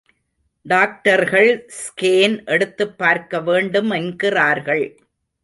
டாக்டர்கள், ஸ்கேன் எடுத்துப் பார்க்க வேண்டும் என்கிறார்கள்.